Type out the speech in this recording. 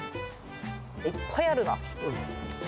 いっぱいあるな。